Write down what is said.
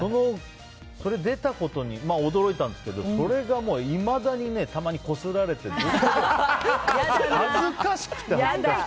それに出たことに驚いたんですけどそれが、もういまだにたまに、こすられていて。